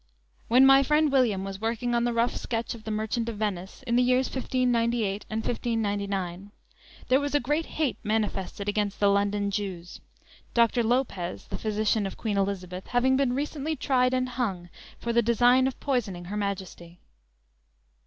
When my friend William was working on the rough sketch of the "Merchant of Venice," in the years 1598 and 1599, there was a great hate manifested against the London Jews, Dr. Lopez, the physician of Queen Elizabeth, having been recently tried and hung for the design of poisoning Her Majesty.